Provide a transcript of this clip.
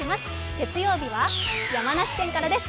月曜日は山梨県からです。